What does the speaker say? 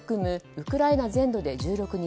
ウクライナ全土で１６日